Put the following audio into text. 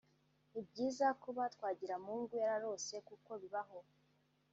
Ni byiza kuba Twagiramungu yararose kuko bibaho